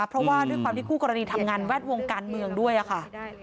เพราะว่าด้วยความที่คู่กรณีทำงานแวดวงการเมืองด้วยค่ะ